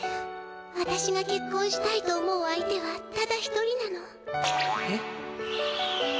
わたしがけっこんしたいと思う相手はただ一人なの。え？